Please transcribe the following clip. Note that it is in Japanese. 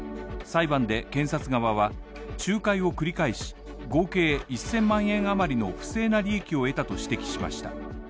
裁判で検察側は、仲介を繰り返し合計１０００万円余りの不正な利益を得たと指摘しました。